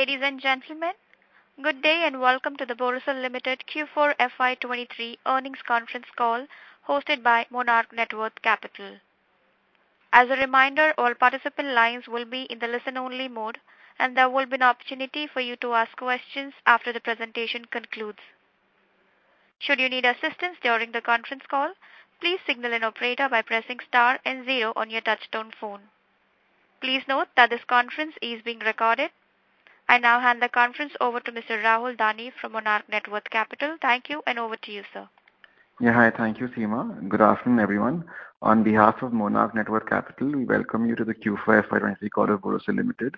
Ladies and gentlemen, good day, and welcome to the Borosil Limited Q4 FY23 earnings conference call, hosted by Monarch Networth Capital. As a reminder, all participant lines will be in the listen-only mode, and there will be an opportunity for you to ask questions after the presentation concludes. Should you need assistance during the conference call, please signal an operator by pressing star and zero on your touchtone phone. Please note that this conference is being recorded. I now hand the conference over to Mr. Rahul Dani from Monarch Networth Capital. Thank you, and over to you, sir. Yeah, hi. Thank you, Sima. Good afternoon, everyone. On behalf of Monarch Networth Capital, we welcome you to the Q4 FY 2023 call of Borosil Limited.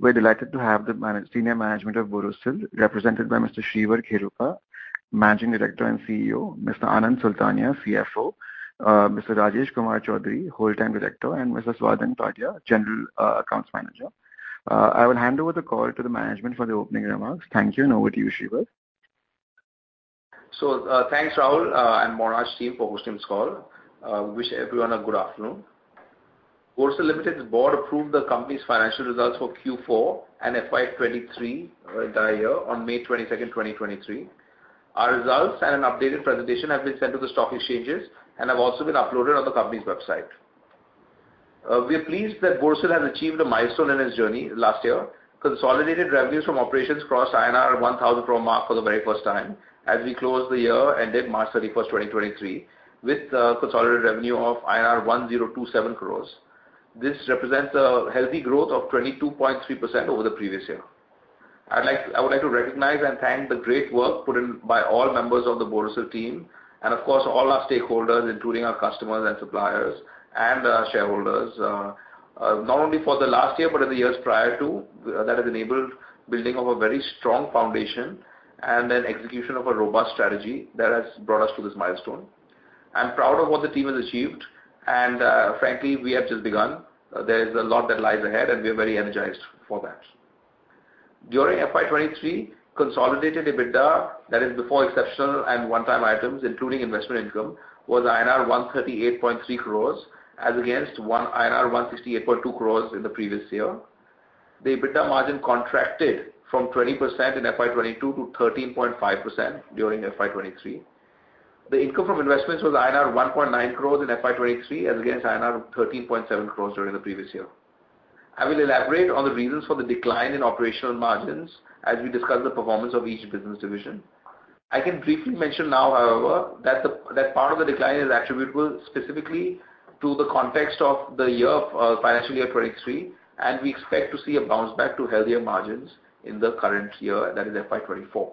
We're delighted to have the senior management of Borosil, represented by Mr. Shreevar Kheruka, Managing Director and CEO; Mr. Anand Sultania, CFO; Mr. Rajesh Kumar Chaudhary, Whole-Time Director; and Mr. Swadhin Padia, General Accounts Manager. I will hand over the call to the management for the opening remarks. Thank you, and over to you, Shreevar. Thanks, Rahul, and Monarch team for hosting this call. Wish everyone a good afternoon. Borosil Limited's board approved the company's financial results for Q4 and FY 2023, the year on May 22, 2023. Our results and an updated presentation have been sent to the stock exchanges and have also been uploaded on the company's website. We are pleased that Borosil has achieved a milestone in its journey last year. Consolidated revenues from operations crossed INR 1,000 crore mark for the very first time as we closed the year, ended March 31, 2023, with a consolidated revenue of 1,027 crores. This represents a healthy growth of 22.3% over the previous year. I would like to recognize and thank the great work put in by all members of the Borosil team and, of course, all our stakeholders, including our customers and suppliers and shareholders, not only for the last year, but in the years prior to that has enabled building of a very strong foundation and an execution of a robust strategy that has brought us to this milestone. I'm proud of what the team has achieved, and frankly, we have just begun. There is a lot that lies ahead, and we are very energized for that. During FY 2023, consolidated EBITDA, that is before exceptional and one-time items, including investment income, was INR 138.3 crores, as against 168.2 crores in the previous year. The EBITDA margin contracted from 20% in FY 2022 to 13.5% during FY 2023. The income from investments was INR 1.9 crores in FY 2023, as against INR 13.7 crores during the previous year. I will elaborate on the reasons for the decline in operational margins as we discuss the performance of each business division. I can briefly mention now, however, that part of the decline is attributable specifically to the context of the year, financial year 2023, and we expect to see a bounce back to healthier margins in the current year, that is FY 2024.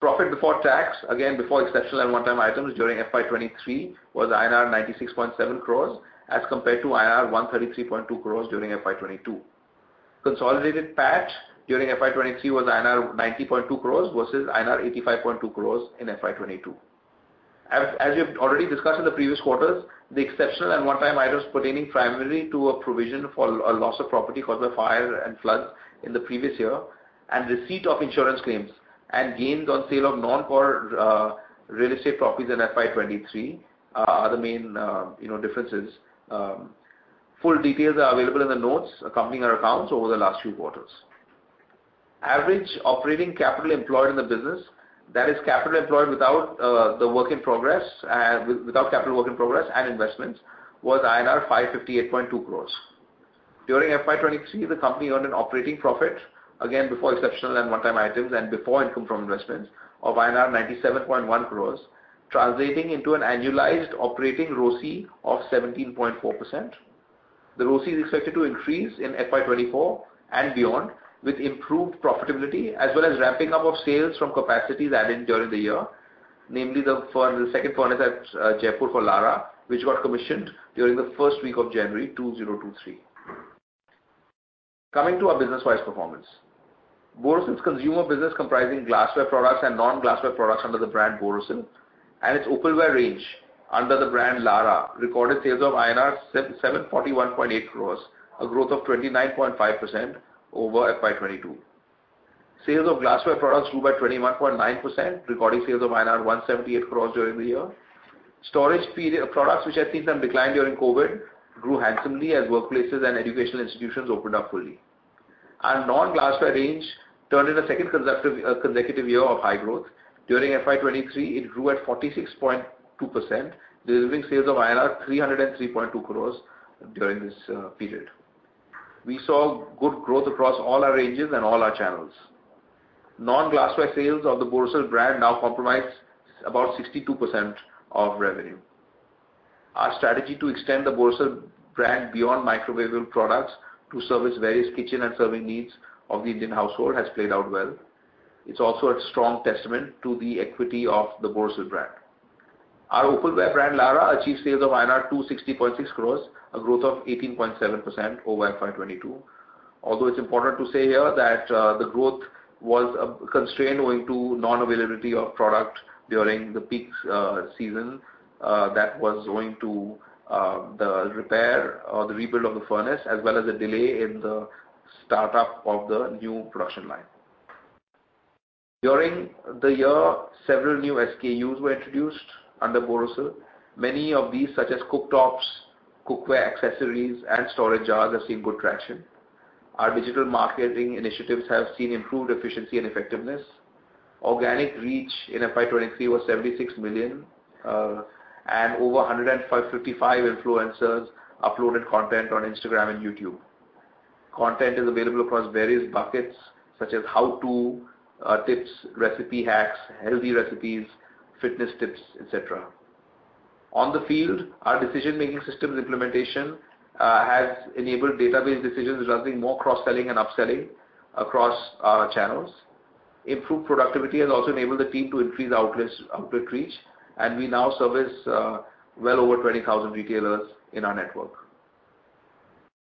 Profit before tax, again, before exceptional and one-time items during FY 2023, was INR 96.7 crores, as compared to INR 133.2 crores during FY 2022. Consolidated PAT during FY 2023 was INR 90.2 crores versus INR 85.2 crores in FY 2022. As we've already discussed in the previous quarters, the exceptional and one-time items pertaining primarily to a provision for a loss of property caused by fire and floods in the previous year and receipt of insurance claims and gains on sale of non-core real estate properties in FY 2023 are the main, you know, differences. Full details are available in the notes accompanying our accounts over the last few quarters. Average operating capital employed in the business, that is, capital employed without the work in progress, without capital work in progress and investments, was INR 558.2 crores. During FY 2023, the company earned an operating profit, again, before exceptional and one-time items and before income from investments of INR 97.1 crores, translating into an annualized operating ROCE of 17.4%. The ROCE is expected to increase in FY 2024 and beyond, with improved profitability as well as ramping up of sales from capacities added during the year, namely the second furnace at Jaipur for Larah, which got commissioned during the first week of January 2023. Coming to our business-wise performance. Borosil's consumer business, comprising glassware products and non-glassware products under the brand Borosil, and its opalware range under the brand Larah, recorded sales of INR 741.8 crores, a growth of 29.5% over FY 2022. Sales of glassware products grew by 21.9%, recording sales of INR 178 crores during the year. Storage products, which had seen them decline during COVID, grew handsomely as workplaces and educational institutions opened up fully. Our non-glassware range turned in a second consecutive year of high growth. During FY 2023, it grew at 46.2%, delivering sales of INR 303.2 crores during this period. We saw good growth across all our ranges and all our channels. Non-glassware sales of the Borosil brand now compromise about 62% of revenue. Our strategy to extend the Borosil brand beyond microwavable products to service various kitchen and serving needs of the Indian household has played out well. It's also a strong testament to the equity of the Borosil brand. Our opalware brand, Larah, achieved sales of INR 260.6 crores, a growth of 18.7% over FY 2022. Although it's important to say here that the growth was constrained owing to non-availability of product during the peak season, that was owing to the repair or the rebuild of the furnace, as well as a delay in the startup of the new production line. During the year, several new SKUs were introduced under Borosil. Many of these, such as cooktops, cookware, accessories, and storage jars, have seen good traction. Our digital marketing initiatives have seen improved efficiency and effectiveness. Organic reach in FY 2023 was 76 million, and over 155 influencers uploaded content on Instagram and YouTube. Content is available across various buckets, such as how-to, tips, recipe hacks, healthy recipes, fitness tips, et cetera. On the field, our decision-making systems implementation has enabled data-based decisions, driving more cross-selling and upselling across our channels. Improved productivity has also enabled the team to increase the outlets output reach, and we now service well over 20,000 retailers in our network.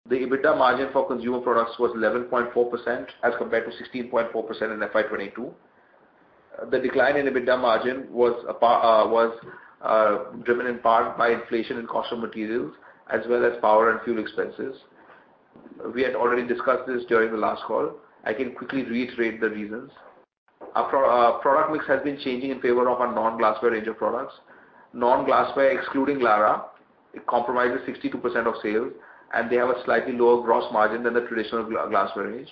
The EBITDA margin for consumer products was 11.4%, as compared to 16.4% in FY 2022. The decline in EBITDA margin was driven in part by inflation and cost of materials, as well as power and fuel expenses. We had already discussed this during the last call. I can quickly reiterate the reasons. Our product mix has been changing in favor of our non-glassware range of products. Non-glassware, excluding Larah, it compromises 62% of sales, and they have a slightly lower gross margin than the traditional glassware range.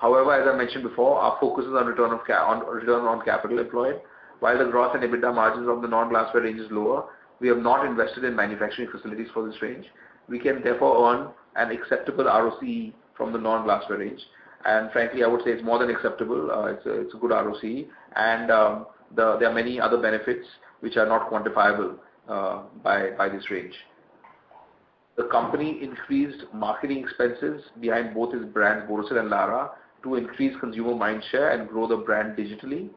However, as I mentioned before, our focus is on return on capital employed. While the gross and EBITDA margins of the non-glassware range is lower, we have not invested in manufacturing facilities for this range. We can therefore earn an acceptable ROC from the non-glassware range, and frankly, I would say it's more than acceptable, it's a good ROC. There are many other benefits which are not quantifiable by this range. The company increased marketing expenses behind both its brands, Borosil and Larah, to increase consumer mindshare and grow the brand digitally.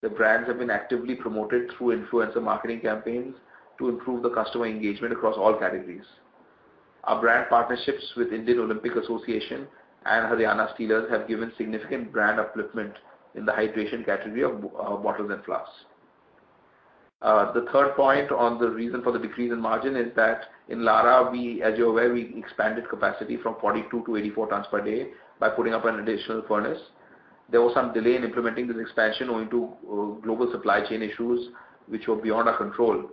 The brands have been actively promoted through influencer marketing campaigns to improve the customer engagement across all categories. Our brand partnerships with Indian Olympic Association and Haryana Steelers have given significant brand upliftment in the hydration category of bottles and flasks. The third point on the reason for the decrease in margin is that in Larah, we, as you're aware, we expanded capacity from 42 to 84 tons per day by putting up an additional furnace. There was some delay in implementing this expansion owing to global supply chain issues, which were beyond our control.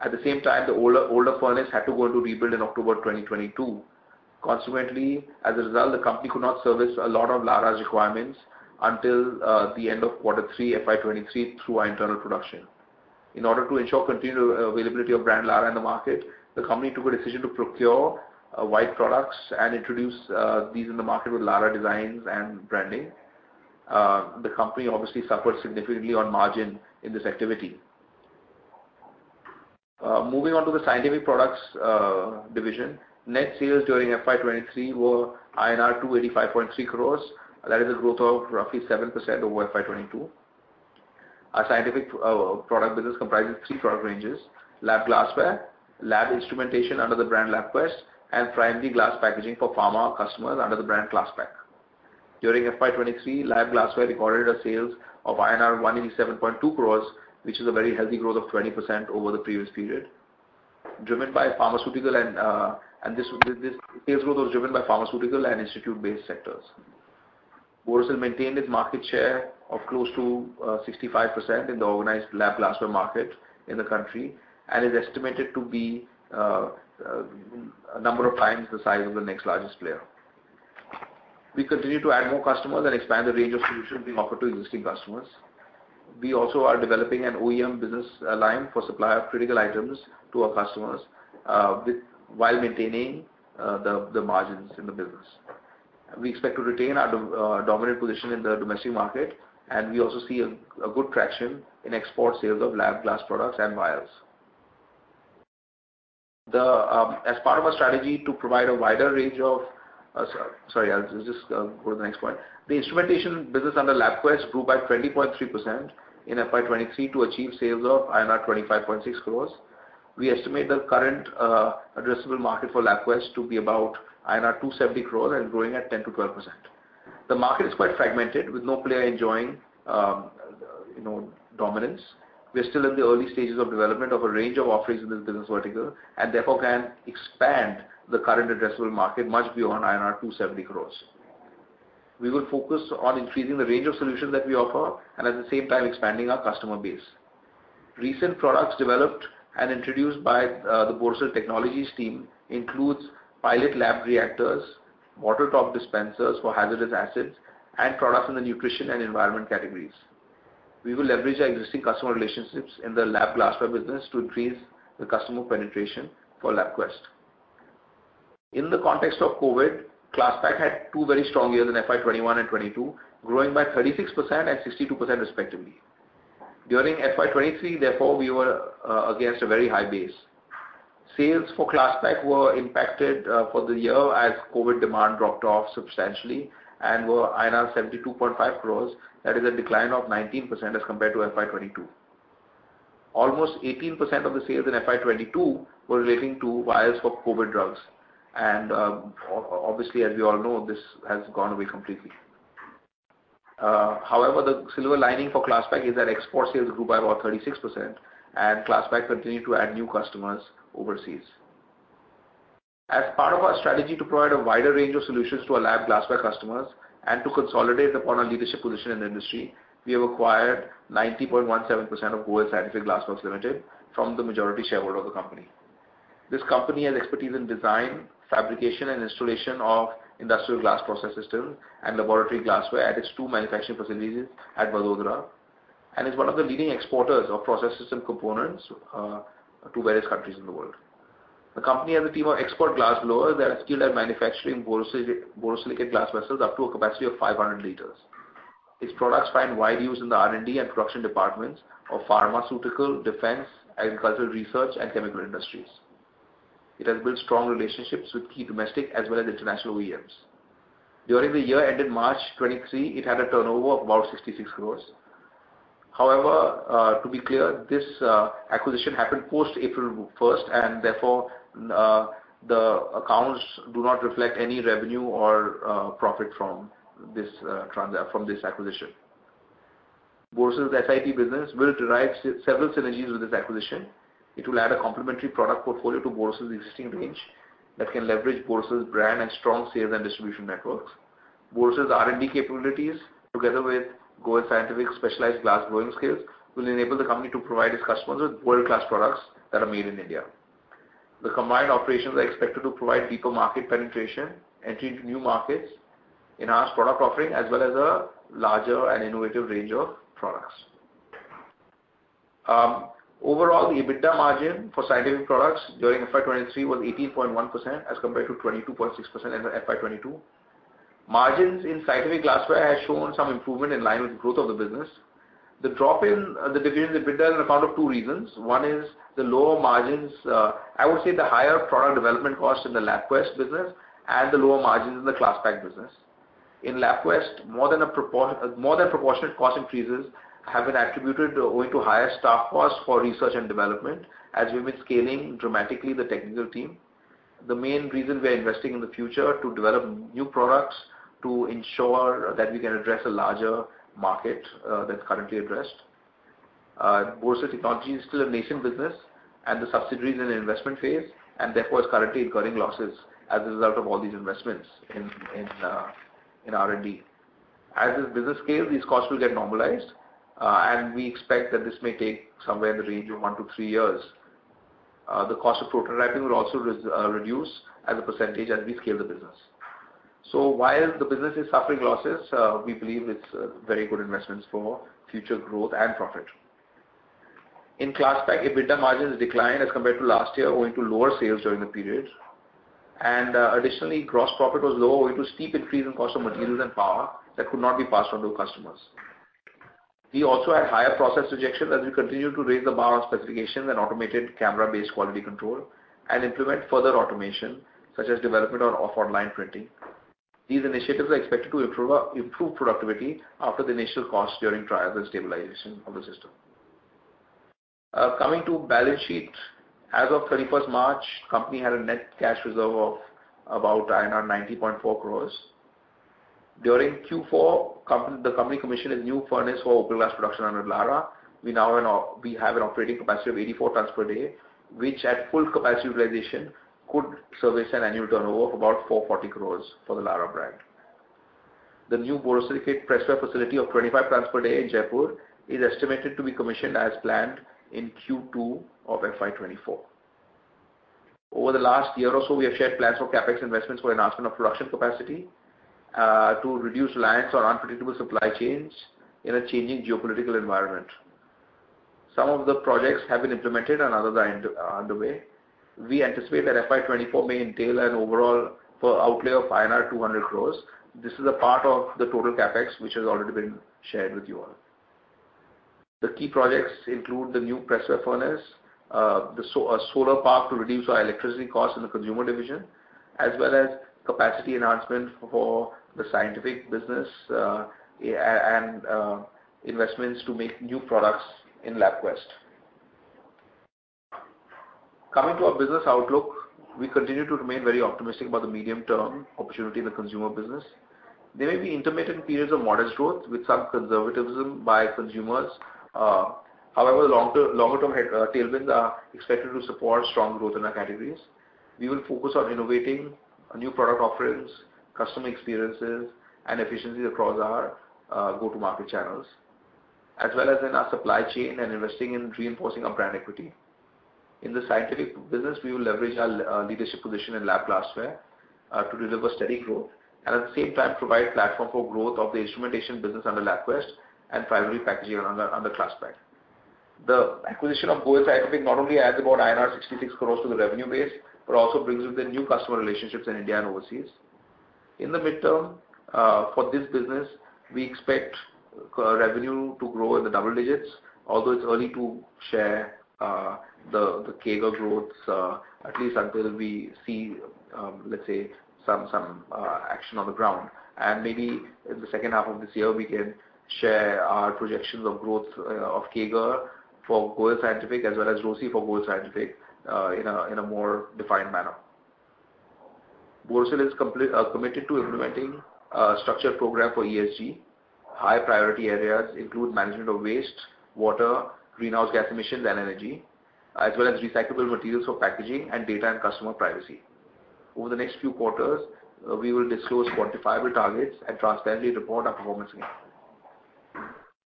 At the same time, the older furnace had to go into rebuild in October 2022. As a result, the company could not service a lot of Larah's requirements until the end of quarter three, FY23, through our internal production. In order to ensure continued availability of brand Larah in the market, the company took a decision to procure white products and introduce these in the market with Larah designs and branding. The company obviously suffered significantly on margin in this activity. Moving on to the scientific products division. Net sales during FY 23 were INR 285.3 crores. That is a growth of roughly 7% over FY 22. Our scientific product business comprises three product ranges: lab glassware, lab instrumentation under the brand LabQuest, and primary glass packaging for pharma customers under the brand Klasspack. During FY 23, lab glassware recorded a sales of INR 187.2 crores, which is a very healthy growth of 20% over the previous period, driven by pharmaceutical and institute-based sectors. Borosil maintained its market share of close to 65% in the organized lab glassware market in the country, and is estimated to be a number of times the size of the next largest player. We continue to add more customers and expand the range of solutions we offer to existing customers. We also are developing an OEM business line for supply of critical items to our customers while maintaining the margins in the business. We expect to retain our dominant position in the domestic market, and we also see a good traction in export sales of lab glass products and vials. As part of our strategy to provide a wider range of... Sorry, I'll just go to the next point. The instrumentation business under LabQuest grew by 20.3% in FY 2023 to achieve sales of INR 25.6 crores. We estimate the current addressable market for LabQuest to be about INR 270 crores and growing at 10%-12%. The market is quite fragmented, with no player enjoying, you know, dominance. We are still in the early stages of development of a range of offerings in this business vertical, and therefore, can expand the current addressable market much beyond INR 270 crores. We will focus on increasing the range of solutions that we offer, and at the same time, expanding our customer base. Recent products developed and introduced by the Borosil Technologies team includes pilot lab reactors, bottle top dispensers for hazardous acids, and products in the nutrition and environment categories. We will leverage our existing customer relationships in the lab glassware business to increase the customer penetration for LabQuest. In the context of COVID, Klasspack had two very strong years in FY 2021 and 2022, growing by 36% and 62% respectively. During FY 2023, therefore, we were against a very high base. Sales for Klasspack were impacted for the year as COVID demand dropped off substantially and were INR 72.5 crores. That is a decline of 19% as compared to FY 2022. Almost 18% of the sales in FY 2022 were relating to vials for COVID drugs, obviously, as we all know, this has gone away completely. However, the silver lining for Klasspack is that export sales grew by about 36%, Klasspack continued to add new customers overseas. As part of our strategy to provide a wider range of solutions to our lab glassware customers and to consolidate upon our leadership position in the industry, we have acquired 90.17% of Goel Scientific Glass Works Limited from the majority shareholder of the company. This company has expertise in design, fabrication, and installation of industrial glass process system and laboratory glassware at its two manufacturing facilities at Vadodara, and is one of the leading exporters of processes and components to various countries in the world. The company has a team of expert glassblowers that are skilled at manufacturing borosilicate glass vessels up to a capacity of 500 liters. Its products find wide use in the R&D and production departments of pharmaceutical, defense, agricultural research, and chemical industries. It has built strong relationships with key domestic as well as international OEMs. During the year ended March 2023, it had a turnover of about 66 crores. However, to be clear, this acquisition happened post April 1st, and therefore, the accounts do not reflect any revenue or profit from this acquisition. Borosil's SIP business will derive several synergies with this acquisition. It will add a complementary product portfolio to Borosil's existing range, that can leverage Borosil's brand and strong sales and distribution networks. Borosil's R&D capabilities, together with Goel Scientific's specialized glassblowing skills, will enable the company to provide its customers with world-class products that are made in India. The combined operations are expected to provide deeper market penetration, entry into new markets, enhanced product offering, as well as a larger and innovative range of products. Overall, the EBITDA margin for scientific products during FY 2023 was 18.1%, as compared to 22.6% in FY 2022. Margins in scientific glassware has shown some improvement in line with the growth of the business. The drop in the decrease in EBITDA on account of two reasons: One is the lower margins, I would say, the higher product development costs in the LabQuest business and the lower margins in the Klasspack business. In LabQuest, more than proportionate cost increases have been attributed owing to higher staff costs for research and development, as we've been scaling dramatically the technical team. The main reason we are investing in the future, to develop new products, to ensure that we can address a larger market that's currently addressed. Borosil Technology is still a nascent business, and the subsidiary is in an investment phase, and therefore is currently incurring losses as a result of all these investments in R&D. As this business scales, these costs will get normalized, and we expect that this may take somewhere in the range of one to three years. The cost of prototyping will also reduce as a percentage as we scale the business. While the business is suffering losses, we believe it's very good investments for future growth and profit. In Klasspack, EBITDA margins declined as compared to last year, owing to lower sales during the period. Additionally, gross profit was low, owing to steep increase in cost of materials and power that could not be passed on to customers. We also had higher process rejection, as we continued to raise the bar on specifications and automated camera-based quality control, and implement further automation, such as development of offline printing. These initiatives are expected to improve productivity after the initial cost during trials and stabilization of the system. Coming to balance sheet. As of 31st March, company had a net cash reserve of about 90.4 crores. During Q4, the company commissioned a new furnace for opal glass production under Larah. We have an operating capacity of 84 tons per day, which at full capacity utilization, could service an annual turnover of about 440 crores for the Larah brand. The new borosilicate presser facility of 25 tons per day in Jaipur is estimated to be commissioned as planned in Q2 of FY 2024. Over the last year or so, we have shared plans for CapEx investments for enhancement of production capacity to reduce reliance on unpredictable supply chains in a changing geopolitical environment. Some of the projects have been implemented, and others are underway. We anticipate that FY 2024 may entail an overall outlay of INR 200 crores. This is a part of the total CapEx, which has already been shared with you all. The key projects include the new presser furnace, the solar park to reduce our electricity costs in the consumer division, as well as capacity enhancement for the scientific business, and investments to make new products in LabQuest. Coming to our business outlook, we continue to remain very optimistic about the medium-term opportunity in the consumer business. There may be intermittent periods of modest growth with some conservatism by consumers. However, the longer-term tailwinds are expected to support strong growth in our categories. We will focus on innovating new product offerings, customer experiences, and efficiencies across our go-to-market channels, as well as in our supply chain, and investing in reinforcing our brand equity. In the scientific business, we will leverage our leadership position in lab glassware to deliver steady growth, and at the same time, provide platform for growth of the instrumentation business under LabQuest and primary packaging under Klasspack. The acquisition of Goel Scientific not only adds about INR 66 crores to the revenue base, but also brings with it new customer relationships in India and overseas. In the midterm, for this business, we expect revenue to grow in the double digits, although it's early to share the CAGR growths, at least until we see let's say, some action on the ground. And maybe in the H2 of this year, we can share our projections of growth of CAGR for Goel Scientific, as well as Borosil for Goel Scientific, in a more defined manner.... Borosil is complete, committed to implementing a structured program for ESG. High priority areas include management of waste, water, greenhouse gas emissions, and energy, as well as recyclable materials for packaging and data and customer privacy. Over the next few quarters, we will disclose quantifiable targets and transparently report our performance again.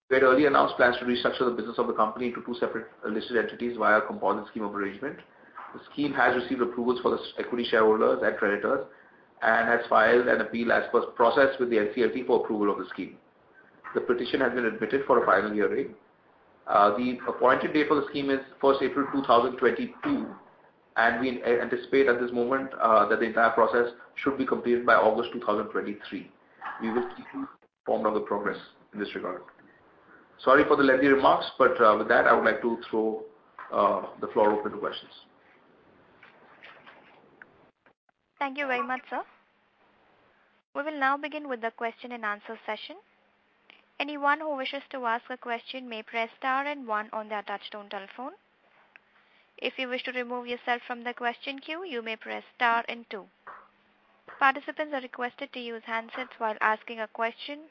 We had earlier announced plans to restructure the business of the company into two separate listed entities via a component scheme of arrangement. The scheme has received approvals for the equity shareholders and creditors, and has filed an appeal as per process with the NCLT for approval of the scheme. The petition has been admitted for a final hearing. The appointed date for the scheme is 1st April 2022, and we anticipate at this moment, that the entire process should be completed by August 2023. We will keep you informed of the progress in this regard. Sorry for the lengthy remarks, but, with that, I would like to throw the floor open to questions. Thank you very much, sir. We will now begin with the question and answer session. Anyone who wishes to ask a question may press star 1 on their touchtone telephone. If you wish to remove yourself from the question queue, you may press star 2. Participants are requested to use handsets while asking a question.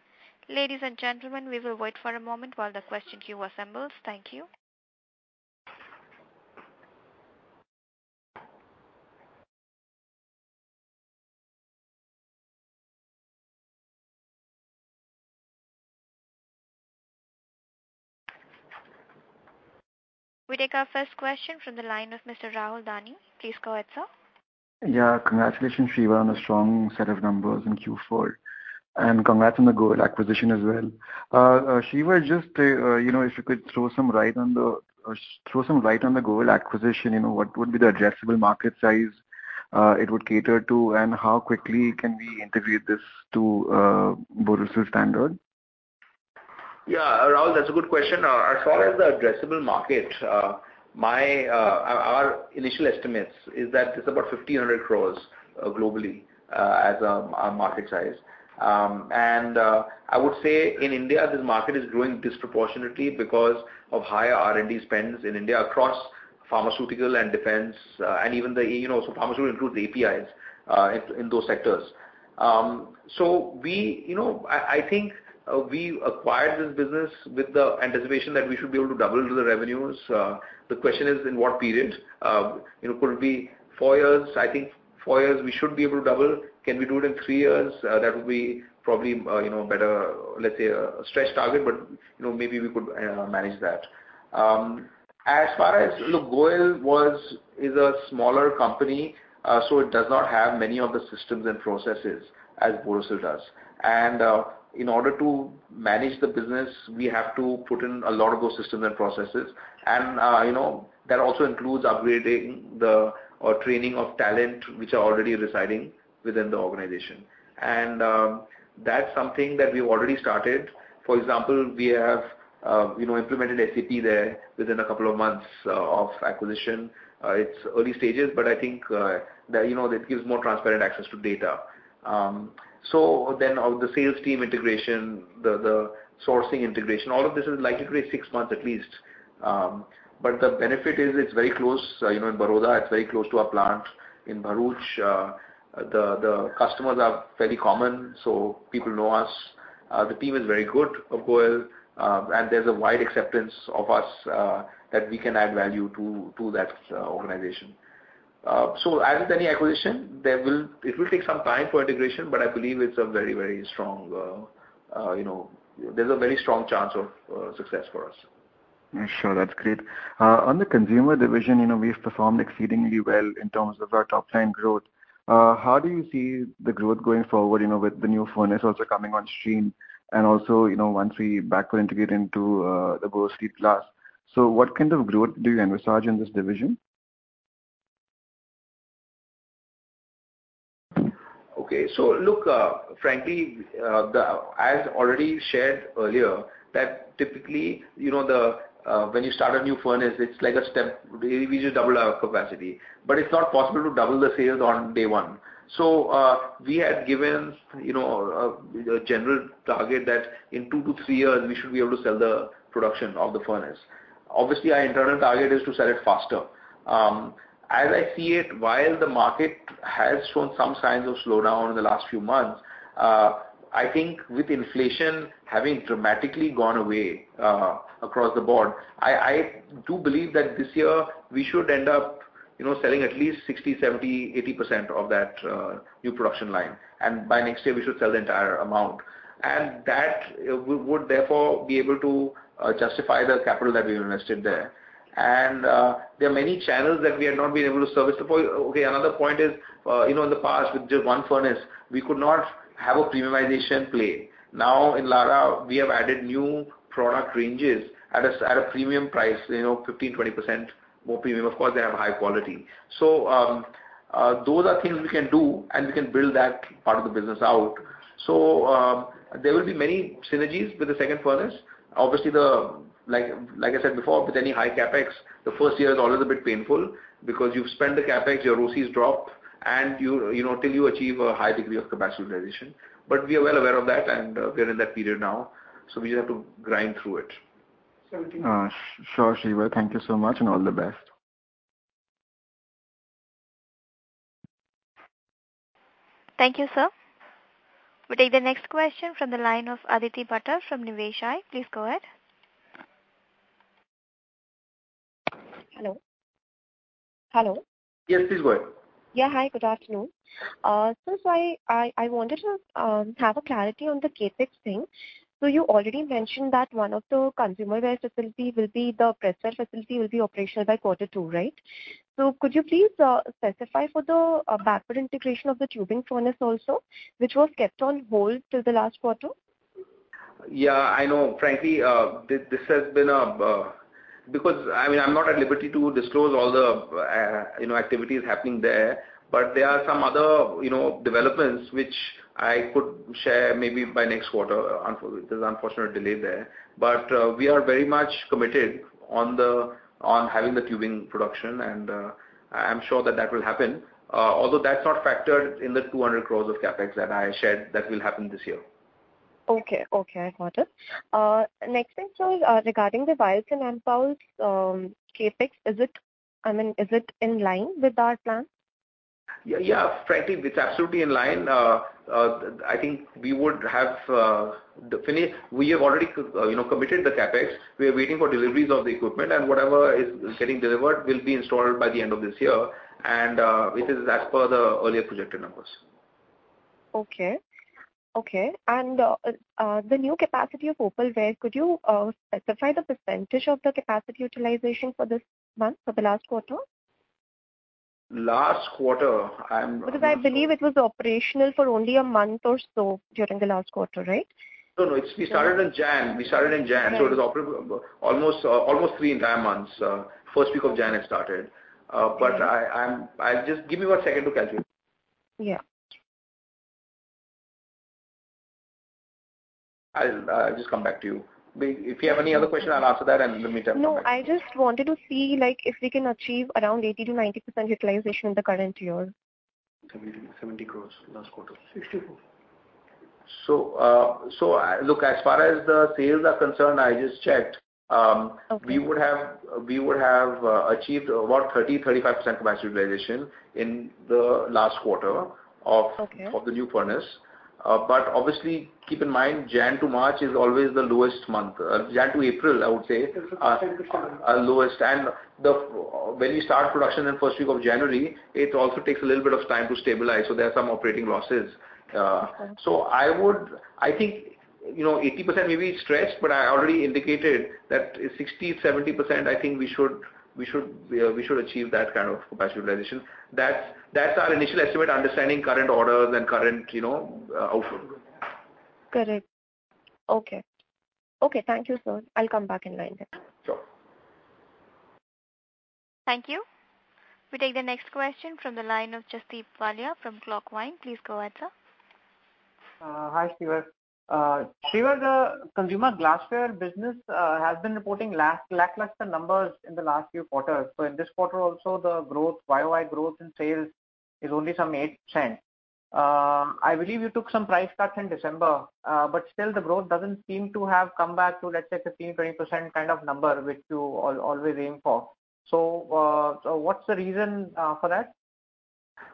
Ladies and gentlemen, we will wait for a moment while the question queue assembles. Thank you. We take our first question from the line of Mr. Rahul Dani. Please go ahead, sir. Yeah, congratulations, Shiva, on a strong set of numbers in Q4, and congrats on the Goel acquisition as well. Shiva, just, you know, if you could throw some light on the Goel acquisition, you know, what would be the addressable market size it would cater to, and how quickly can we integrate this to Borosil standard? Yeah, Rahul, that's a good question. As far as the addressable market, our initial estimates is that it's about 1,500 crores, globally, a market size. I would say in India, this market is growing disproportionately because of higher R&D spends in India across pharmaceutical and defense, and even the, you know, pharmaceutical includes APIs, in those sectors. We, you know, I think, we acquired this business with the anticipation that we should be able to double the revenues. The question is in what period? You know, could it be four years? I think four years, we should be able to double. Can we do it in three years? That would be probably, you know, a better, let's say, a stretched target, but, you know, maybe we could manage that. As far as, look, Goel was, is a smaller company, so it does not have many of the systems and processes as Borosil does. In order to manage the business, we have to put in a lot of those systems and processes. You know, that also includes upgrading the, or training of talent, which are already residing within the organization. That's something that we've already started. For example, we have, you know, implemented ACP there within a couple of months of acquisition. It's early stages, but I think that, you know, that gives more transparent access to data. Of the sales team integration, the sourcing integration, all of this is likely to be six months at least. The benefit is it's very close, you know, in Vadodara, it's very close to our plant. In Bharuch, the customers are fairly common, so people know us. The team is very good of Goel Scientific, there's a wide acceptance of us that we can add value to that organization. As with any acquisition, it will take some time for integration, I believe it's a very, very strong, you know, there's a very strong chance of success for us. Sure. That's great. On the consumer division, you know, we've performed exceedingly well in terms of our top line growth. How do you see the growth going forward, you know, with the new furnace also coming on stream, and also, you know, once we back integrate into the Borosil glass? What kind of growth do you envisage in this division? Okay. Look, frankly, the, as already shared earlier, that typically, you know, the, when you start a new furnace, it's like a step, we just double our capacity, but it's not possible to double the sales on day one. We had given, you know, a general target that in two to three years we should be able to sell the production of the furnace. Obviously, our internal target is to sell it faster. As I see it, while the market has shown some signs of slowdown in the last few months, I think with inflation having dramatically gone away, across the board, I do believe that this year we should end up, you know, selling at least 60%, 70%, 80% of that new production line, and by next year, we should sell the entire amount. That would therefore be able to justify the capital that we've invested there. There are many channels that we have not been able to service before. Okay, another point is, you know, in the past, with just one furnace, we could not have a premiumization play. Now in Larah, we have added new product ranges at a premium price, you know, 15%, 20% more premium. Of course, they have high quality. Those are things we can do, and we can build that part of the business out. There will be many synergies with the second furnace. Obviously, like I said before, with any high CapEx, the first year is always a bit painful because you've spent the CapEx, your OC is dropped and you know, till you achieve a high degree of capacity realization. We are well aware of that, and we are in that period now, so we just have to grind through it. Sure, Shiva. Thank you so much, and all the best. Thank you, sir. We take the next question from the line of Aditi Bhatted from Niveshaay. Please go ahead. Hello? Hello. Yes, please go ahead. Hi, good afternoon. I wanted to have a clarity on the CapEx thing. You already mentioned that one of the consumer wear facility will be the presser facility will be operational by quarter two, right? Could you please specify for the backward integration of the tubing furnace also, which was kept on hold till the last quarter? Yeah, I know. Frankly, this has been a, because I mean, I'm not at liberty to disclose all the, you know, activities happening there. There are some other, you know, developments which I could share maybe by next quarter. There's unfortunate delay there. We are very much committed on the, on having the tubing production, and I'm sure that that will happen. Although that's not factored in the 200 crores of CapEx that I shared, that will happen this year. Okay. Okay, I got it. Next thing, regarding the vials and ampoules, CapEx, is it, I mean, is it in line with our plan? Yeah, yeah. Frankly, it's absolutely in line. I think we would have the finish. We have already, you know, committed the CapEx. We are waiting for deliveries of the equipment, and whatever is getting delivered will be installed by the end of this year. It is as per the earlier projected numbers. Okay. Okay, the new capacity of opalware, could you specify the of the capacity utilization for this month, for the last quarter? Last quarter. I believe it was operational for only a month or so during the last quarter, right? No, it's we started in Jan. Right. It was operative almost three entire months. First week of January, it started. Okay. I'll just give me one second to calculate. Yeah. I'll just come back to you. If you have any other question, I'll answer that, and let me jump back. No, I just wanted to see, like, if we can achieve around 80%-90% utilization in the current year. 70 crores last quarter. Sixty-four. Look, as far as the sales are concerned, I just checked. Okay. We would have achieved about 30-35% capacity realization in the last quarter. Okay... of the new furnace. Obviously, keep in mind, January to March is always the lowest month. January to April, I would say, are lowest. When you start production in first week of January, it also takes a little bit of time to stabilize, so there are some operating losses. Okay. I would, I think, you know, 80% may be stretched, but I already indicated that 60%, 70%, I think we should achieve that kind of capacity realization. That's our initial estimate, understanding current orders and current, you know, output. Correct. Okay. Okay, thank you, sir. I'll come back in line then. Sure. Thank you. We take the next question from the line of Jasdeep Walia from Clockvine. Please go ahead, sir. Hi, Shiva. Shiva, the consumer glassware business has been reporting lackluster numbers in the last few quarters. In this quarter also, the growth, YOY growth in sales is only some 8%. I believe you took some price cuts in December, but still the growth doesn't seem to have come back to, let's say, 15%-20% kind of number, which you always aim for. What's the reason for that?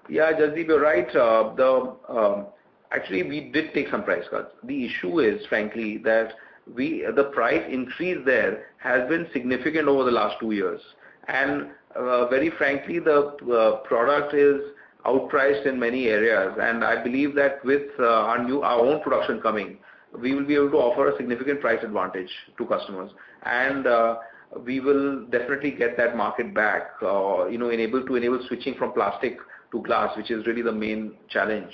Yeah, Jasdeep, you're right. Actually, we did take some price cuts. The issue is, frankly, that the price increase there has been significant over the last two years. Very frankly, the product is outpriced in many areas, and I believe that with our new, our own production coming, we will be able to offer a significant price advantage to customers. We will definitely get that market back, you know, enable to enable switching from plastic to glass, which is really the main challenge.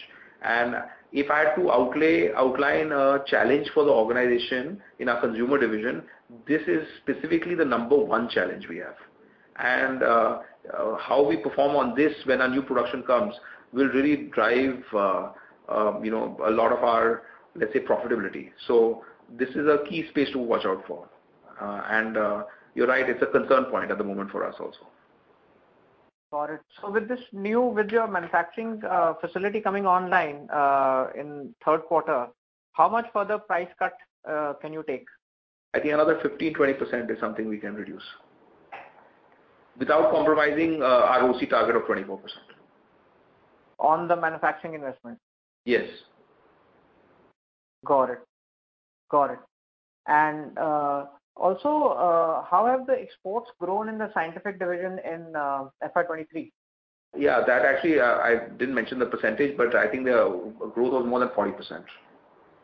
If I had to outline a challenge for the organization in our consumer division, this is specifically the number 1 challenge we have. How we perform on this when our new production comes, will really drive, you know, a lot of our, let's say, profitability. This is a key space to watch out for. You're right, it's a concern point at the moment for us also. Got it. With your manufacturing facility coming online in Q3, how much further price cut can you take? I think another 15%, 20% is something we can reduce. Without compromising our OC target of 24%. On the manufacturing investment? Yes. Got it. Got it. Also, how have the exports grown in the scientific division in FY 23? Yeah, that actually, I didn't mention the percentage, but I think the growth was more than 40%.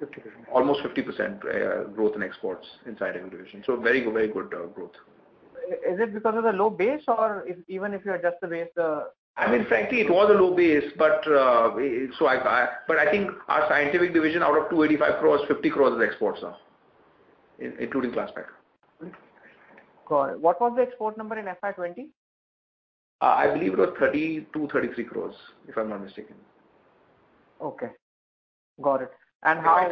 50%. Almost 50% growth in exports in scientific division. Very good, very good growth. Is it because of the low base, or if even if you adjust the base? I mean, frankly, it was a low base, but, so I, but I think our scientific division out of 285 crores, 50 crores is exports, including Klasspack. Got it. What was the export number in FY 20? I believe it was 32-33 crores, if I'm not mistaken. Okay. Got it. How?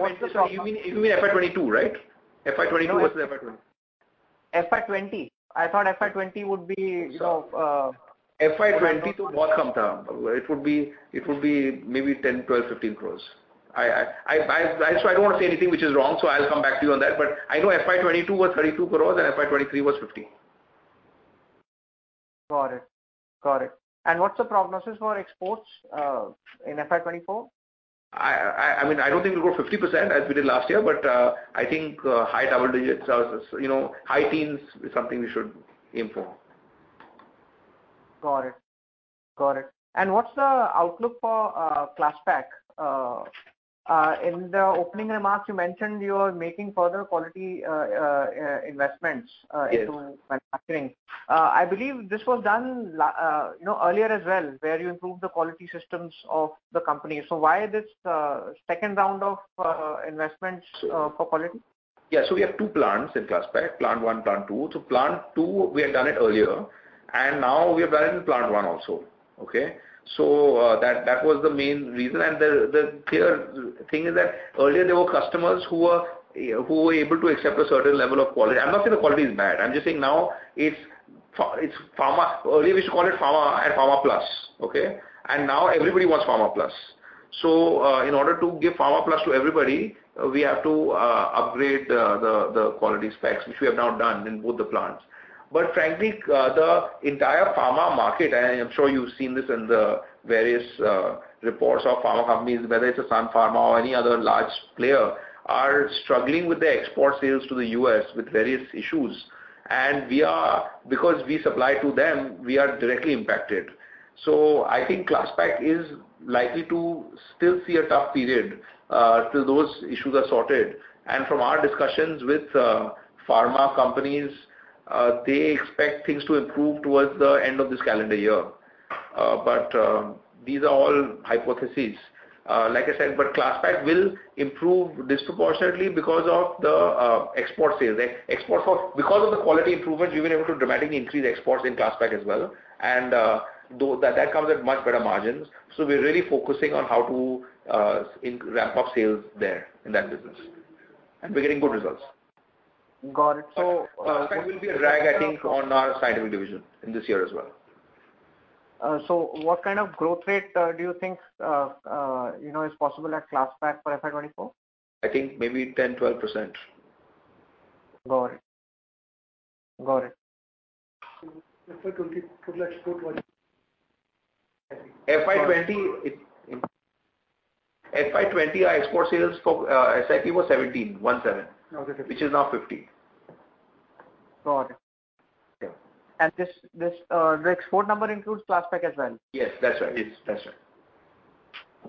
You mean FY 22, right? FY 22 versus FY 20. FY 20. I thought FY 20 would be, you know. FY 20 it would be maybe 10, 12, 15 crores. I don't want to say anything which is wrong, I'll come back to you on that. I know FY 22 was 32 crores, and FY 23 was 15 crores. Got it. Got it. What's the prognosis for exports in FY 2024? I mean, I don't think we'll go 50% as we did last year, but I think high double digits, you know, high teens is something we should aim for. Got it. Got it. What's the outlook for Klasspack? In the opening remarks, you mentioned you are making further quality investments? Yes. into manufacturing. I believe this was done, you know, earlier as well, where you improved the quality systems of the company. Why this second round of investments for quality? We have two plants in Klasspack, Plant One, Plant Two. Plant Two, we had done it earlier, and now we have done it in Plant One also. Okay? That was the main reason. The clear thing is that earlier there were customers who were able to accept a certain level of quality. I'm not saying the quality is bad, I'm just saying now it's pharma. Earlier, we used to call it pharma and pharma plus, okay? Now everybody wants pharma plus. In order to give pharma plus to everybody, we have to upgrade the quality specs, which we have now done in both the plants. Frankly, the entire pharma market, and I'm sure you've seen this in the various reports of pharma companies, whether it's Sun Pharma or any other large player, are struggling with their export sales to the U.S. with various issues. Because we supply to them, we are directly impacted. I think Klasspack is likely to still see a tough period till those issues are sorted. From our discussions with pharma companies, they expect things to improve towards the end of this calendar year. These are all hypotheses. Like I said, Klasspack will improve disproportionately because of the export sales. Because of the quality improvements, we've been able to dramatically increase exports in Klasspack as well, and though that comes at much better margins. We're really focusing on how to ramp up sales there in that business, and we're getting good results. Got it. It will be a drag, I think, on our scientific division in this year as well. What kind of growth rate, do you think, you know, is possible at Klasspack for FY 24? I think maybe 10, 12%. Got it. Got it. Total export one. FY 20, our export sales for, I think it was 17. Okay. which is now 15. Got it. Yeah. This, the export number includes Klasspack as well? Yes, that's right.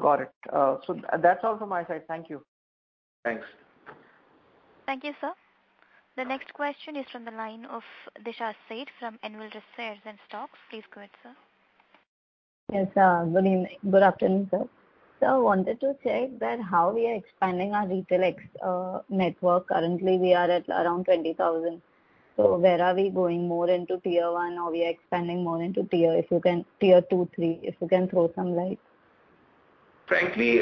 Got it. That's all from my side. Thank you. Thanks. Thank you, sir. The next question is from the line of Disha Seth from Anvil Research and Stocks. Please go ahead, sir. Yes, good afternoon, sir. I wanted to check that how we are expanding our retail network. Currently, we are at around 20,000. Where are we going, more into tier 1, or we are expanding more into tier two, three? If you can throw some light. Frankly, we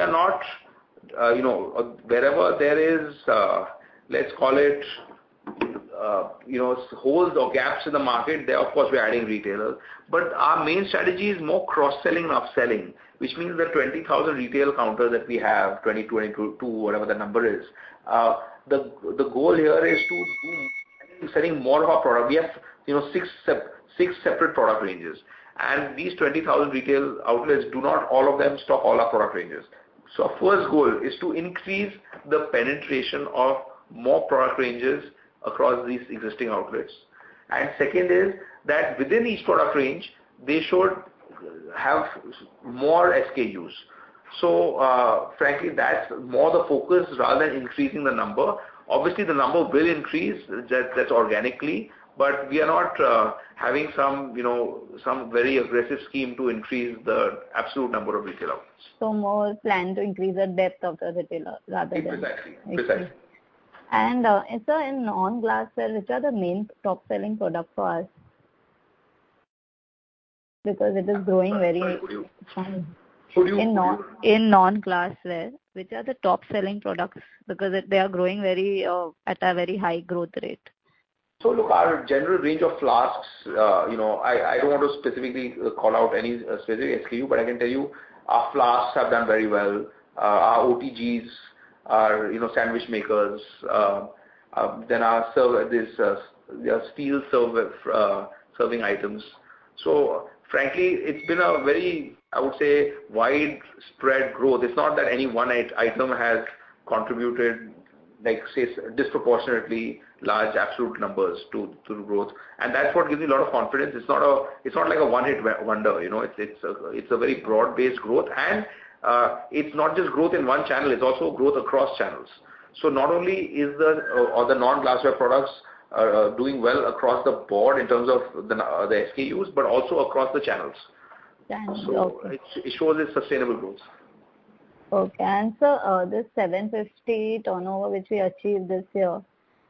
are not, you know, wherever there is, let's call it, you know, holes or gaps in the market, there, of course, we're adding retailers. Our main strategy is more cross-selling and upselling, which means the 20,000 retail counters that we have, 20,000, 22,000, whatever the number is, the goal here is to selling more of our products. We have, you know, six separate product ranges, and these 20,000 retail outlets do not all of them stock all our product ranges. First goal is to increase the penetration of more product ranges across these existing outlets. Second is, that within each product range, they should have more SKUs. Frankly, that's more the focus rather than increasing the number. The number will increase, that's organically, but we are not having some, you know, some very aggressive scheme to increase the absolute number of retail outlets. More plan to increase the depth of the retailer rather than. Exactly. Exactly. In non-glassware, which are the main top-selling products for us? Because it is growing Sorry, could you-? In non-glassware, which are the top-selling products? They are growing very at a very high growth rate. Look, our general range of flasks, you know, I don't want to specifically call out any specific SKU, but I can tell you our flasks have done very well. Our OTGs, our, you know, sandwich makers, then our server, there's our steel server, serving items. Frankly, it's been a very, I would say, widespread growth. It's not that any one item has contributed, like, say, disproportionately large absolute numbers to growth, and that's what gives me a lot of confidence. It's not like a one-hit wonder, you know, it's a very broad-based growth. It's not just growth in one channel, it's also growth across channels. Not only is the or the non-glassware products are doing well across the board in terms of the SKUs, but also across the channels. Thank you. It shows a sustainable growth. Okay. This 750 turnover, which we achieved this year,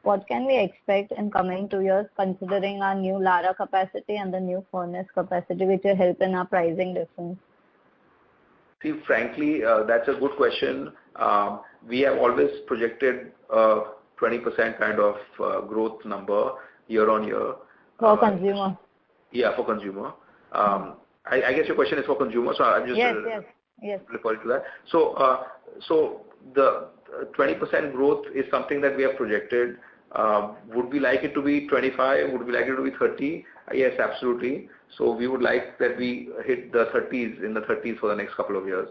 what can we expect in coming two years, considering our new Larah capacity and the new furnace capacity, which will help in our pricing difference? Frankly, that's a good question. We have always projected a 20% kind of growth number year-on-year. For consumer? Yeah, for consumer. I guess your question is for consumer, so I'm just... Yes, yes. Refer to that. The 20% growth is something that we have projected. Would we like it to be 25? Would we like it to be 30? Yes, absolutely. We would like that we hit the 30s, in the 30s for the next couple of years.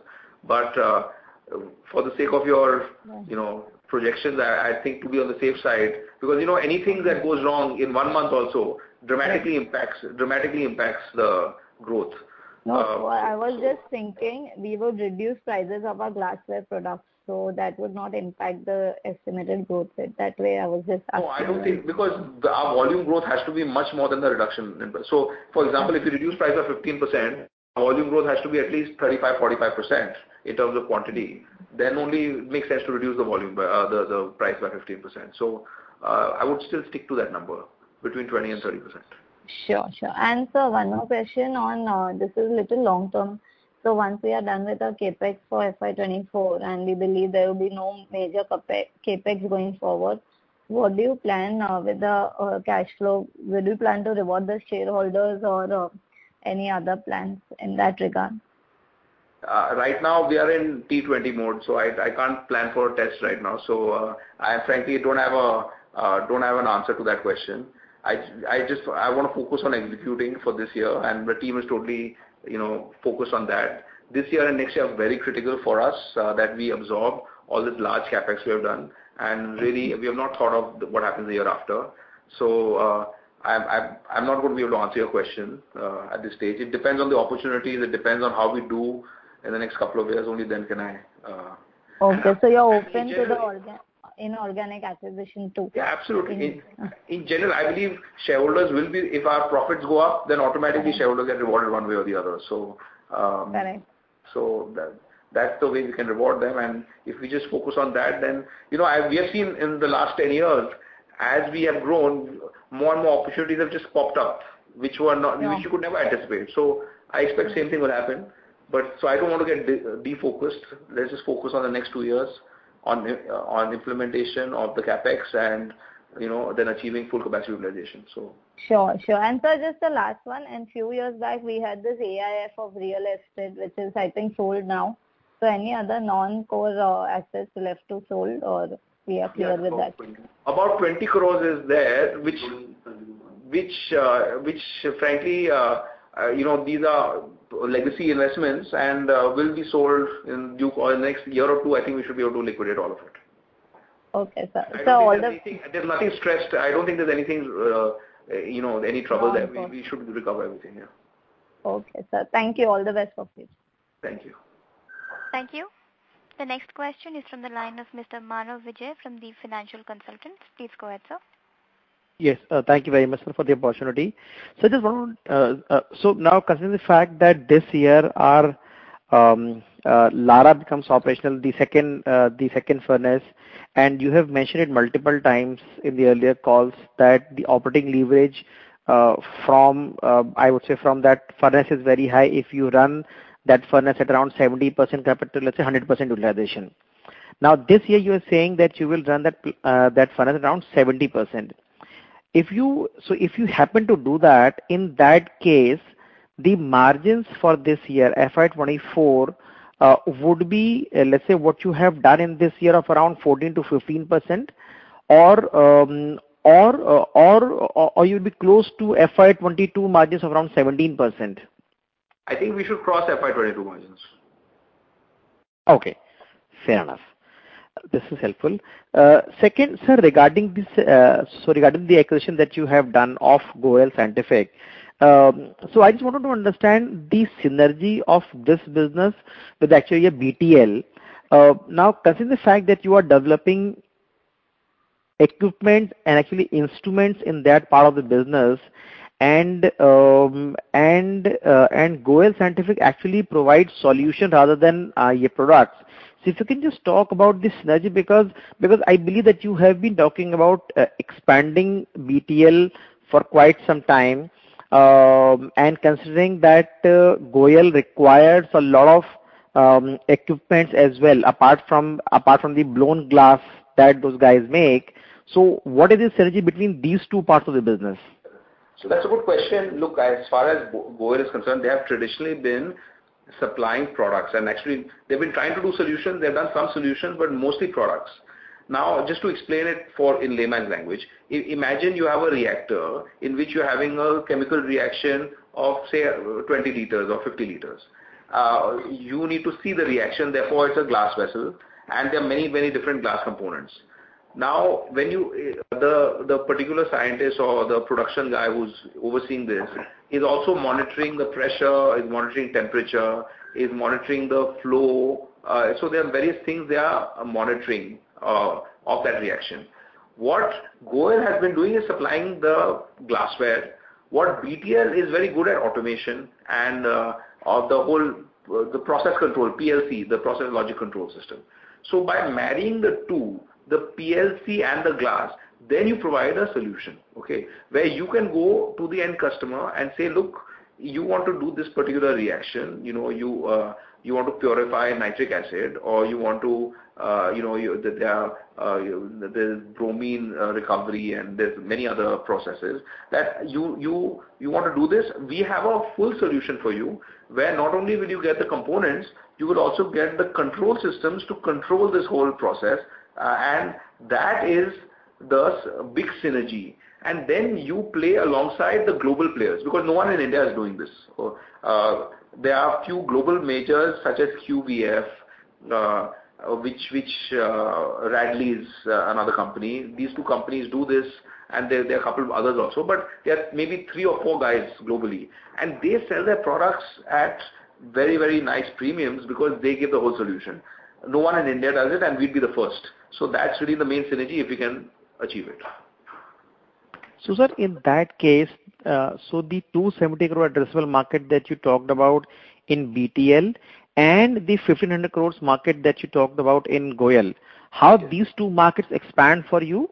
For the sake of your, you know, projections, I think to be on the safe side, because, you know, anything that goes wrong in one month also dramatically impacts the growth. No, I was just thinking we would reduce prices of our glassware products, so that would not impact the estimated growth rate. That way, I was just asking. I don't think, because our volume growth has to be much more than the reduction. For example, if you reduce price by 15%, volume growth has to be at least 35%-45% in terms of quantity, then only it makes sense to reduce the volume by the price by 15%. I would still stick to that number between 20% and 30%. Sure, sure. Sir, one more question on... this is a little long term. Once we are done with the CapEx for FY 2024, and we believe there will be no major CapEx going forward, what do you plan with the cash flow? Would you plan to reward the shareholders or any other plans in that regard? Right now we are in T20 mode, I can't plan for a test right now. I frankly don't have an answer to that question. I want to focus on executing for this year, the team is totally, you know, focused on that. This year and next year are very critical for us, that we absorb all this large CapEx we have done, really, we have not thought of what happens the year after. I'm not going to be able to answer your question at this stage. It depends on the opportunity. It depends on how we do in the next couple of years. Only then can I. Okay, you're open to the inorganic acquisition, too? Yeah, absolutely. Okay. In general. If our profits go up, then automatically shareholders get rewarded one way or the other. Correct. That, that's the way we can reward them, and if we just focus on that, then. You know, we have seen in the last 10 years, as we have grown, more and more opportunities have just popped up, which were not- Yeah. -which you could never anticipate. I expect same thing will happen, but so I don't want to get defocused. Let's just focus on the next two years, on implementation of the CapEx and, you know, then achieving full capacity realization, so. Sure, sure. Sir, just the last one, and few years back, we had this AIF of real estate, which is, I think, sold now. Any other non-core assets left to sold or we are clear with that? About 20 crores is there, which frankly, you know, these are legacy investments and, will be sold in due, next year or two, I think we should be able to liquidate all of it. Okay, sir. There's nothing stressed. I don't think there's anything, you know, any trouble there. Okay. We should recover everything, yeah. Okay, sir. Thank you. All the best for you. Thank you. Thank you. The next question is from the line of Mr. Mano Vijay from The Financial Consultants. Please go ahead, sir. Thank you very much, sir, for the opportunity. I just want to, so now considering the fact that this year our Larah becomes operational, the second furnace, and you have mentioned it multiple times in the earlier calls that the operating leverage from, I would say from that furnace is very high if you run that furnace at around 70% capital, let's say 100% utilization. Now, this year you are saying that you will run that furnace around 70%. If you happen to do that, in that case, the margins for this year, FY 2024, would be, let's say, what you have done in this year of around 14%-15%, or you'll be close to FY 2022 margins of around 17%? I think we should cross FY 2022 margins. Okay, fair enough. This is helpful. Second, sir, regarding this, so regarding the acquisition that you have done of goel Scientific, I just wanted to understand the synergy of this business with actually a BTL. Now, considering the fact that you are developing equipment and actually instruments in that part of the business, and goel Scientific actually provides solutions rather than your products. If you can just talk about this synergy, because I believe that you have been talking about expanding BTL for quite some time, and considering that goel requires a lot of equipments as well, apart from the blown glass that those guys make. What is the synergy between these two parts of the business? That's a good question. Look, as far as goel is concerned, they have traditionally been supplying products, and actually they've been trying to do solutions. They've done some solutions, but mostly products. Now, just to explain it for in layman language, imagine you have a reactor in which you're having a chemical reaction of, say, 20 liters or 50 liters. You need to see the reaction, therefore, it's a glass vessel, and there are many, many different glass components. Now, when you, the particular scientist or the production guy who's overseeing this, he's also monitoring the pressure, he's monitoring temperature, he's monitoring the flow. There are various things they are monitoring of that reaction. What goel has been doing is supplying the glassware. What BTL is very good at automation and of the whole the process control, PLC, the process logic control system. By marrying the two, the PLC and the glass, then you provide a solution, okay? Where you can go to the end customer and say, "You want to do this particular reaction, you know, you want to purify nitric acid, or you want to, you know, that there are, there's bromine recovery, and there's many other processes that you want to do this. We have a full solution for you, where not only will you get the components, you will also get the control systems to control this whole process, and that is the big synergy. Then you play alongside the global players, because no one in India is doing this. There are a few global majors such as QVF. Radley is another company. These two companies do this, and there are a couple of others also, but there are maybe three or four guys globally, and they sell their products at very, very nice premiums because they give the whole solution. No one in India does it, and we'd be the first. That's really the main synergy if we can achieve it. Sir, in that case, so the 270 crore addressable market that you talked about in BTL and the 1,500 crores market that you talked about in goel, how these two markets expand for you?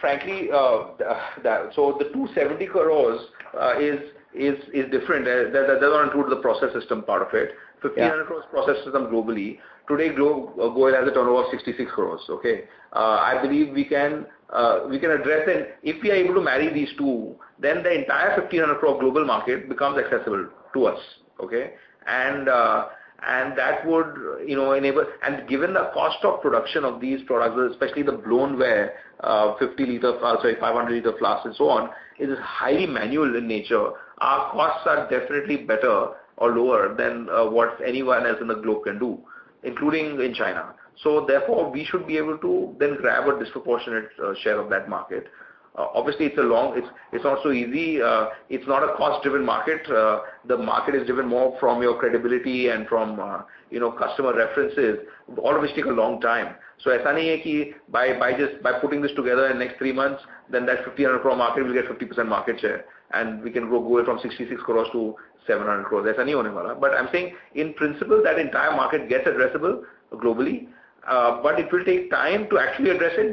Frankly, the 270 crores is different. That doesn't include the process system part of it. Yeah. 1,500 crores process system globally. Today, goel Scientific has a turnover of 66 crores, okay? I believe we can address it. If we are able to marry these two, then the entire 1,500 crore global market becomes accessible to us, okay? That would, you know, enable... Given the cost of production of these products, especially the blownware, 500 liter flask and so on, is highly manual in nature. Our costs are definitely better or lower than what anyone else in the globe can do, including in China. Therefore, we should be able to then grab a disproportionate share of that market. Obviously, it's not so easy. It's not a cost-driven market. The market is driven more from your credibility and from, you know, customer references, all of which take a long time. By just, by putting this together in the next three months, that 1,500 crore market will get 50% market share, and we can go it from 66 crores to 700 crores. I'm saying in principle, that entire market gets addressable globally, but it will take time to actually address it,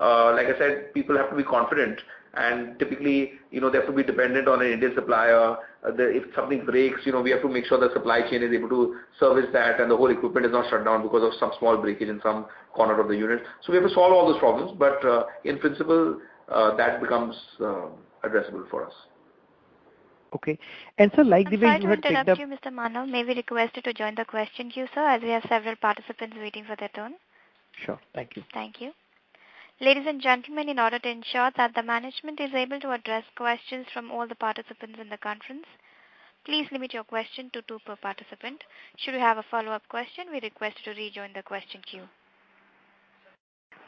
because, like I said, people have to be confident, and typically, you know, they have to be dependent on an Indian supplier. If something breaks, you know, we have to make sure the supply chain is able to service that and the whole equipment is not shut down because of some small breakage in some corner of the unit. We have to solve all those problems, but in principle, that becomes addressable for us. Okay. like the way you had checked. Sorry to interrupt you, Mr. Mano, may we request you to join the question queue, sir, as we have several participants waiting for their turn? Sure. Thank you. Thank you. Ladies and gentlemen, in order to ensure that the management is able to address questions from all the participants in the conference, please limit your question to two per participant. Should you have a follow-up question, we request you to rejoin the question queue.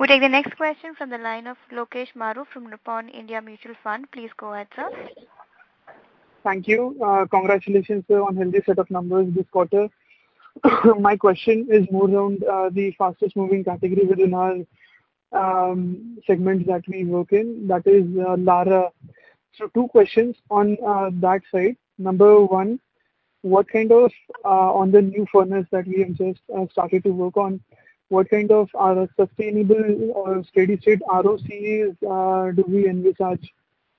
We take the next question from the line of Lokesh Maru from Nippon India Mutual Fund. Please go ahead, sir. Thank you. Congratulations, sir, on healthy set of numbers this quarter. My question is more around the fastest moving categories within our segments that we work in, that is, Larah. Two questions on that side. Number one, what kind of on the new furnace that we have just started to work on, what kind of sustainable or steady-state ROCEs do we envisage,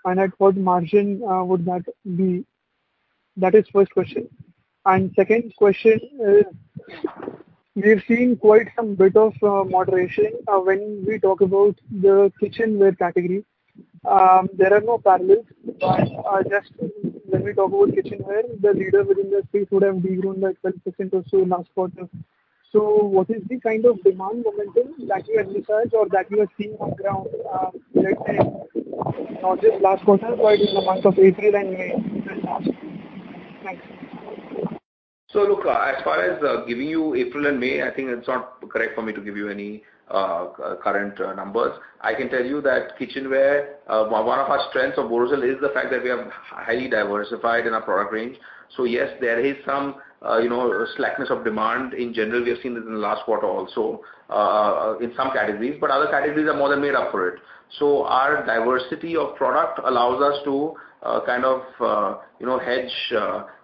and at what margin would that be? That is first question. Second question is, we have seen quite some bit of moderation when we talk about the kitchenware category. There are no parallels, just when we talk about kitchenware, the leader within the space would have degrown like 12% or so last quarter. What is the kind of demand momentum that you envisage or that you are seeing on ground, let's say, not just last quarter, but in the month of April and May? Thanks. Look, as far as giving you April and May, I think it's not correct for me to give you any current numbers. I can tell you that kitchenware, one of our strengths of Borosil is the fact that we are highly diversified in our product range. Yes, there is some, you know, slackness of demand. In general, we have seen this in the last quarter also, in some categories, but other categories are more than made up for it. Our diversity of product allows us to kind of, you know, hedge,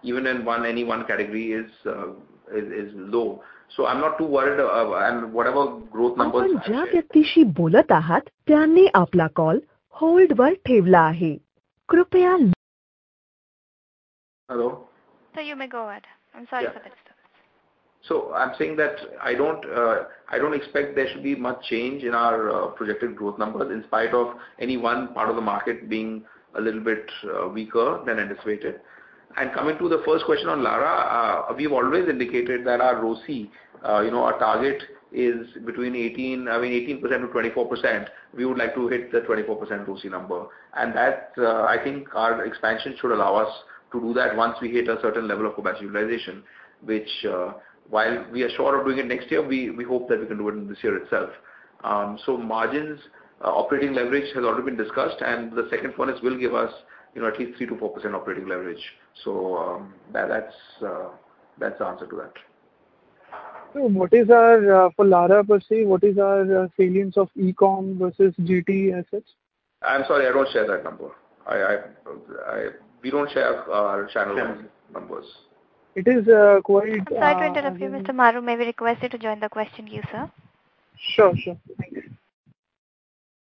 even in one, any one category is low. I'm not too worried, and whatever growth numbers- Hello? Sir, you may go ahead. I'm sorry for the disturbance. I'm saying that I don't expect there should be much change in our projected growth numbers, in spite of any one part of the market being a little bit weaker than anticipated. Coming to the first question on Larah, we've always indicated that our ROC, you know, our target is between 18%-24%. We would like to hit the 24% ROC number. That, I think our expansion should allow us to do that once we hit a certain level of capacity utilization, which, while we are sure of doing it next year, we hope that we can do it in this year itself. Margins, operating leverage has already been discussed, and the second one is will give us, you know, at least 3-4% operating leverage. That, that's the answer to that. What is our, for Larah per se, what is our salience of e-com versus GT as such? I'm sorry, I don't share that number. We don't share our channel numbers. It is, uh, quite, uh- I'm sorry to interrupt you, Mr. Maru. May we request you to join the question queue, sir? Sure, sure. Thank you.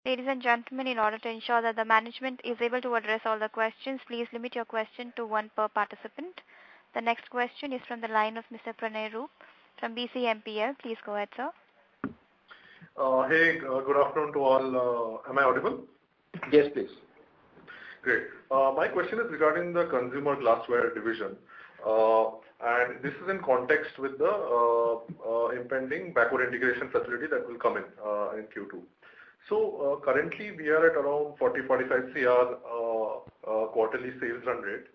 Ladies and gentlemen, in order to ensure that the management is able to address all the questions, please limit your question to one per participant. The next question is from the line of Mr. Pranay Roop from BCMPL. Please go ahead, sir. Hey, good afternoon to all. Am I audible? Yes, please. Great. My question is regarding the consumer glassware division, and this is in context with the impending backward integration facility that will come in Q2. Currently, we are at around 40-45 CR quarterly sales run rate.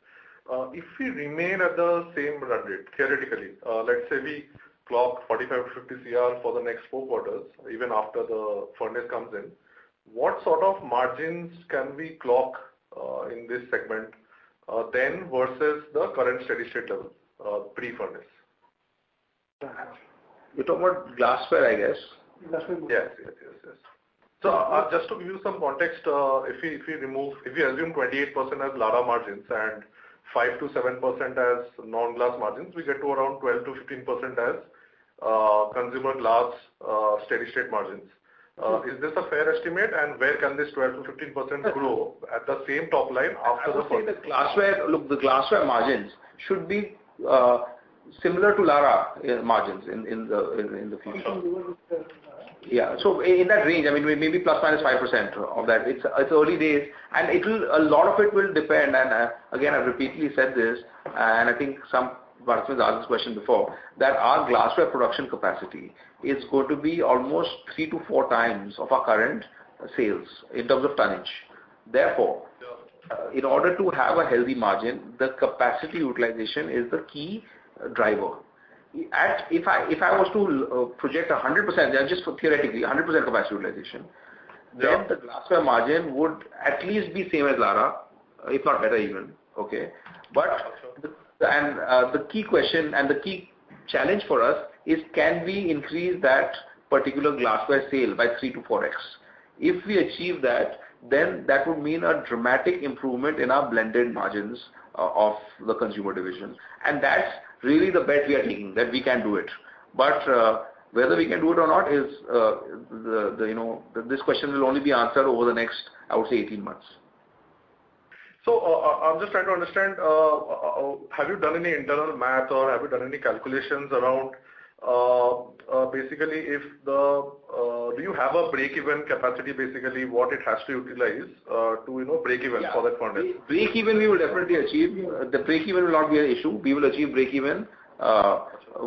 If we remain at the same run rate, theoretically, let's say we clock 45-50 CR for the next Q4, even after the furnace comes in, what sort of margins can we clock in this segment then versus the current steady-state level pre-furnace? You're talking about glassware, I guess? Glassware, yes. Yes, yes. Just to give you some context, If we assume 28% as Larah margins and 5%-7% as non-glass margins, we get to around 12%-15% as consumer glass, steady-state margins. Is this a fair estimate? Where can this 12%-15% grow at the same top line after the furnace? I would say the glassware, look, the glassware margins should be similar to Larah margins in the future. Similar to Larah. Yeah. In that range, I mean, maybe ± 5% of that. It's early days. A lot of it will depend. Again, I've repeatedly said this. I think some participants asked this question before, that our glassware production capacity is going to be almost three to four times of our current sales in terms of tonnage. In order to have a healthy margin, the capacity utilization is the key driver. If I was to project 100%, just theoretically, 100% capacity utilization, the glassware margin would at least be same as Larah, if not better even. Okay? The key question and the key challenge for us is, can we increase that particular glassware sale by 3-4x? If we achieve that, then that would mean a dramatic improvement in our blended margins of the consumer division. That's really the bet we are taking, that we can do it. Whether we can do it or not is the, you know, this question will only be answered over the next, I would say, 18 months. I'm just trying to understand, have you done any internal math, or have you done any calculations around, basically, do you have a break-even capacity, basically, what it has to utilize, to, you know, break even for that furnace? Break even, we will definitely achieve. The break even will not be an issue. We will achieve break even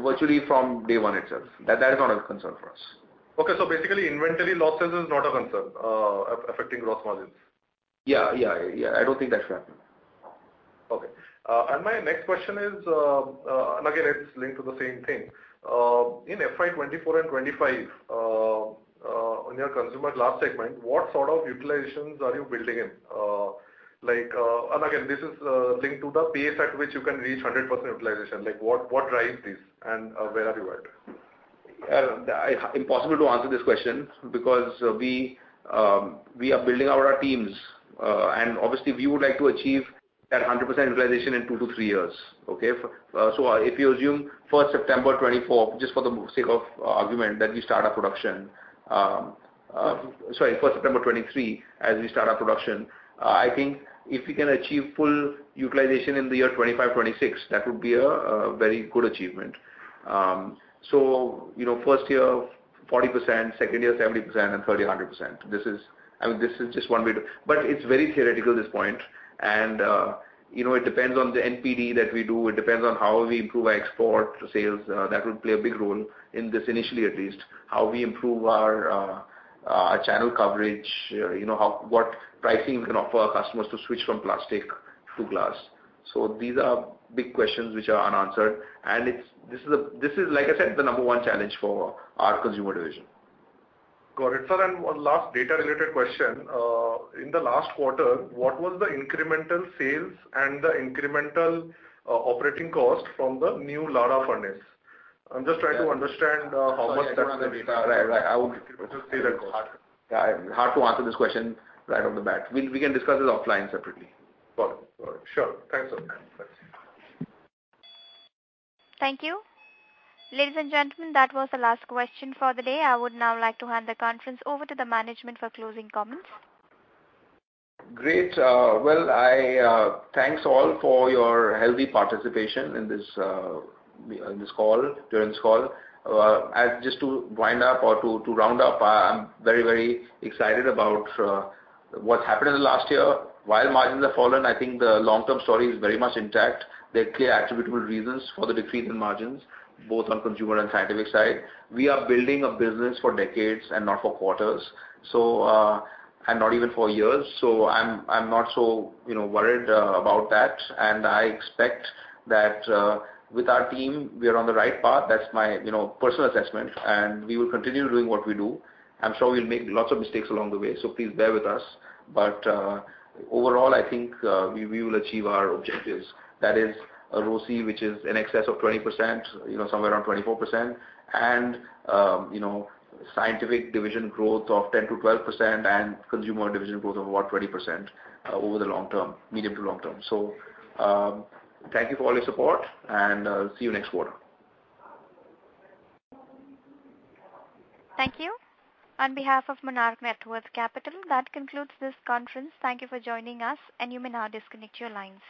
virtually from day one itself. That is not a concern for us. Okay, basically, inventory losses is not a concern, affecting gross margins. Yeah. I don't think that should happen. Okay. And my next question is, and again, it's linked to the same thing. In FY 2024 and 2025, on your consumer glass segment, what sort of utilizations are you building in? Like, and again, this is linked to the pace at which you can reach 100% utilization. Like, what drives this, and where are you at? Impossible to answer this question because we are building out our teams, and obviously, we would like to achieve that 100% utilization in 2-3 years, okay? If you assume September 1, 2024, just for the sake of argument, that we start our production, sorry, September 1, 2023, as we start our production, I think if we can achieve full utilization in the year 2025-2026, that would be a very good achievement. You know, first year, 40%, second year, 70%, and third year, 100%. This is, I mean, this is just one way to. It's very theoretical, this point, and, you know, it depends on the NPD that we do. It depends on how we improve our export sales. That would play a big role in this, initially, at least. How we improve our channel coverage, you know, how, what pricing we can offer our customers to switch from plastic to glass. These are big questions which are unanswered, and this is, like I said, the number one challenge for our consumer division. Got it, sir. One last data-related question. In the last quarter, what was the incremental sales and the incremental operating cost from the new Larah furnace? I'm just trying to understand how much. I don't have the data. Right. Hard to answer this question right off the bat. We can discuss this offline, separately. Got it. Sure. Thanks a lot. Thank you. Ladies and gentlemen, that was the last question for the day. I would now like to hand the conference over to the management for closing comments. Great. Well, I, thanks, all, for your healthy participation in this in this call, during this call. Just to wind up or to round up, I'm very, very excited about what happened in the last year. While margins have fallen, I think the long-term story is very much intact. There are clear attributable reasons for the decrease in margins, both on consumer and scientific side. We are building a business for decades and not for quarters, so and not even for years. I'm not so, you know, worried about that. I expect that with our team, we are on the right path. That's my, you know, personal assessment, and we will continue doing what we do. I'm sure we'll make lots of mistakes along the way, so please bear with us. Overall, I think we will achieve our objectives. That is a ROC, which is in excess of 20%, you know, somewhere around 24%. Scientific division growth of 10%-12% and consumer division growth of about 20%, over the long term, medium to long term. Thank you for all your support, and see you next quarter. Thank you. On behalf of Monarch Networth Capital, that concludes this conference. Thank you for joining us, and you may now disconnect your lines.